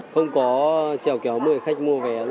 không có trèo kéo mười khách mua vé